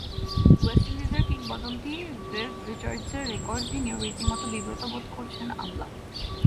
West ইন্ডিজের কিংবদন্তি Viv রিচার্ডসের রেকর্ড ভেঙে রীতিমতো বিব্রত বোধ করছেন আমলা।